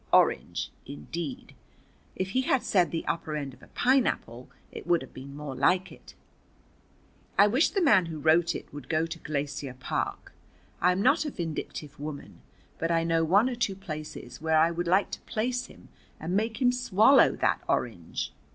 Orange, indeed! If he had said the upper end of a pineapple it would have been more like it. I wish the man who wrote it would go to Glacier Park. I am not a vindictive woman, but I know one or two places where I would like to place him and make him swallow that orange.